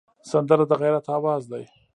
سندره د غیرت آواز دی